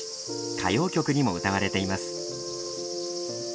歌謡曲にも歌われています。